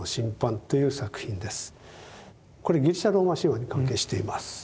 これギリシャ・ローマ神話に関係しています。